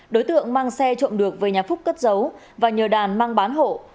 đối tượng mang xe trộm được với nhà phúc cất dấu và nhờ đàn mang bán hộ